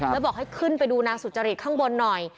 แล้วบอกให้ขึ้นไปดูนางสุจริตข้างบนหน่อย